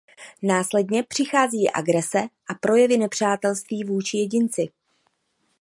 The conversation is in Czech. Následně přichází agrese a projevy nepřátelství vůči jedinci.